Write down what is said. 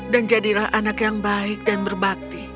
dan jadilah anak yang baik dan berbakti